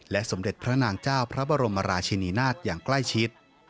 สมเด็จพระนางเจ้าพระบรมราชินีนาฏอย่างใกล้ชิด